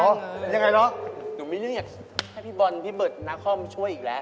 โอ๊ยอ่อหนูมีสิ่งให้พี่บอลพี่เบิรตนาครพยายามช่วยอีกแล้ว